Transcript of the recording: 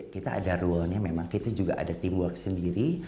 kita ada rule nya memang kita juga ada teamwork sendiri